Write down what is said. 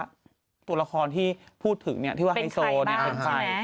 ว่าตัวละครที่พูดถึงที่ว่าไอโซ่เป็นใครบ้าง